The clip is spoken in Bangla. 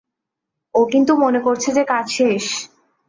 ও কিন্তু মনে করছে যে কাজ শেষ।